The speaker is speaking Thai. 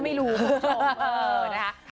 ก็ไม่รู้คุณผู้ชม